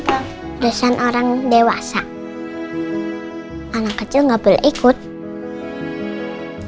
tapi dia pas ke rumah truck